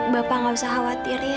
bapak gak usah khawatir ya